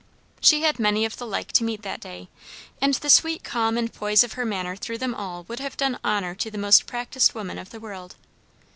She had many of the like to meet that day; and the sweet calm and poise of her manner through them all would have done honour to the most practised woman of the world.